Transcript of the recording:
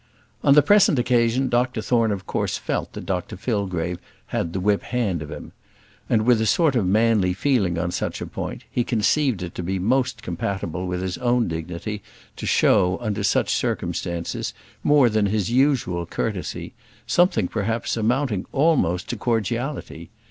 On the present occasion, Dr Thorne of course felt that Dr Fillgrave had the whip hand of him; and, with a sort of manly feeling on such a point, he conceived it to be most compatible with his own dignity to show, under such circumstances, more than his usual courtesy something, perhaps, amounting almost to cordiality.